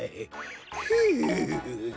ふう。